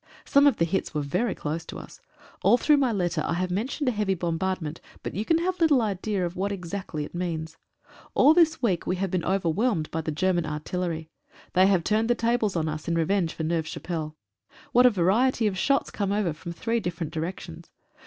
Some of the hits were very close to us. All through my letter I have mentioned a heavy bombardment, but you can have little idea what it exactly means. All this week we have been overwhelmed by the German artil lery. They have turned the tables on us in revenge for Neuve Chapelle. What a variety of shots came over from three different directions.